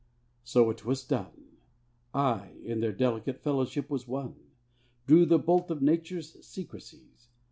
So it was done: I in their delicate fellowship was one Drew the bolt of Nature's secrecies.